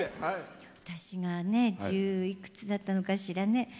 私がね１０いくつだったのかしらね。